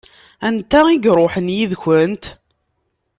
Anta i iṛuḥen yid-kent?